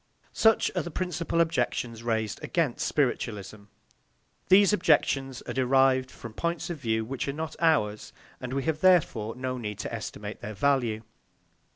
Such are the principal objections raised against spiritualism. These objections are derived from points of view which are not ours, and we have therefore no need to estimate their value.